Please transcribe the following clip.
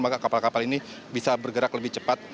maka kapal kapal ini bisa bergerak lebih cepat